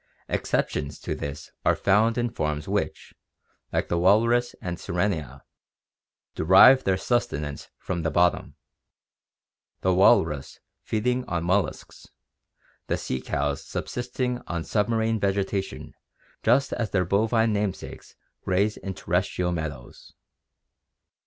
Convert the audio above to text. Excep tions to this are found in forms which, like the walrus and Sirenia, derive their sustenance from the bottom, the walrus feeding on molluscs, the sea cows subsisting on submarine vegetation just as their bovine namesakes graze in terrestrial meadows.